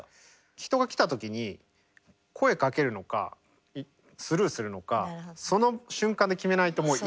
人が来た時に声かけるのかスルーするのかその瞬間で決めないともう行っちゃうので。